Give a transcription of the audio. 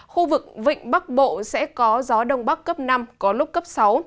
khu vực vịnh bắc bộ sẽ có gió đông bắc cấp năm có lúc cấp sáu